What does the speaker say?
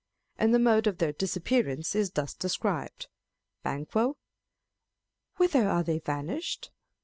And the mode of their disappearance is thus describedâ€" Ban. whither are they vanished